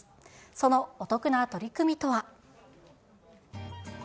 そのお得な取り組みとは。